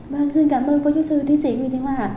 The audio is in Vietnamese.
bạn xin cảm ơn phó chủ sư tiến sĩ nguyễn thế hoa